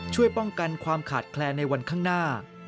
ช่วยป้องกันความขาดแคลนในวันข้างหน้า